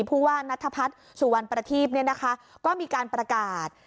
ผู้ว่านัทพัฒน์สุวรรณประทีพก็มีการประกาศ